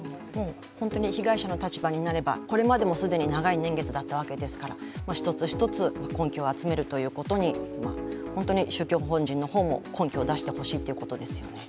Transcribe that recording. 被害者の立場になれば、これまでも既に長い年月だったわけですから、一つ一つ、根拠を集めるということに宗教法人の方も根拠を出してほしいということです。